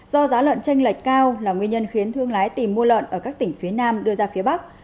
do giá lợn tranh lệch cao là nguyên nhân khiến thương lái tìm mua lợn ở các tỉnh phía nam đưa ra phía bắc